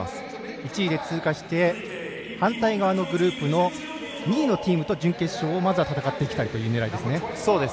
１位で通過して反対側のグループの２位のチームと準決勝をまずは戦っていきたいという狙いですね。